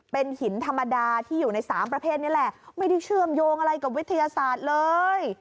เป็นหินธรรมดาที่อยู่ในสามประเภทนี้แหละไม่ได้เชื่อมโยงอะไรกับวิทยาศาสตร์เลย